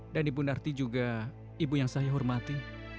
dan ibu narti juga ibu yang saya hormati